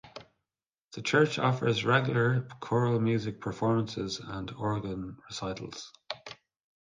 The church offers regular choral music performances and organ recitals.